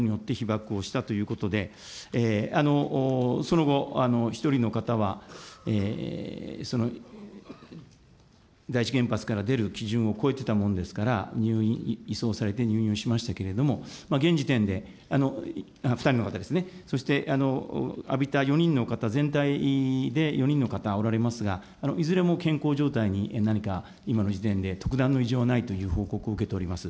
このためしみこんだことによって被ばくをしたということで、その後、１人の方は、第一原発から出る基準を超えてたもんですから、入院、移送されて入院をしましたけれども、現時点で２人の方ですね、そして、浴びた４人の方、全体で４人の方おられますが、いずれも健康状態に何か今の時点で、特段の異常はないという報告を受けております。